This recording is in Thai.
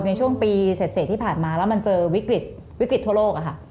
ในช่วงปีเสร็จที่ผ่านมาแล้วมันเจอวิกฤตวิกฤตทั่วโลกอะค่ะ